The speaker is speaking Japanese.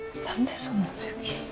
何でそんな強気？